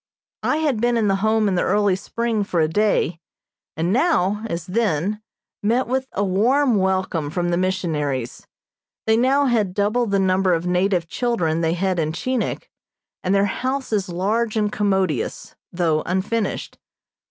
I had been in the Home in the early spring for a day, and now, as then, met with a warm welcome from the missionaries. They now had double the number of native children they had in Chinik, and their house is large and commodious, though unfinished.